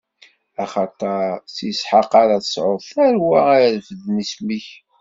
Axaṭer, s Isḥaq ara tesɛuḍ tarwa ara irefden isem-ik.